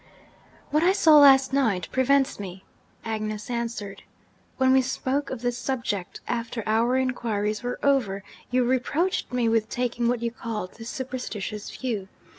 'What I saw last night prevents me,' Agnes answered. 'When we spoke of this subject, after our inquiries were over, you reproached me with taking what you called the superstitious view.